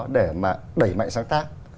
để mà đẩy mạnh sáng tác